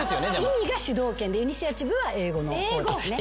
意味が「主導権」で「イニシアチブ」は英語の方ですね。